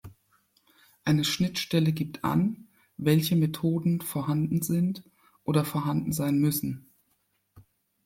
Eine Schnittstelle gibt an, welche Methoden vorhanden sind oder vorhanden sein müssen.